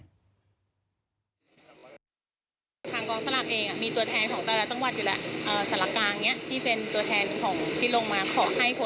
ทางกองสลักเองมีตัวแทนของตราจังหวัดอยู่แล้ว